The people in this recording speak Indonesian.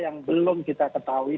yang belum kita ketahui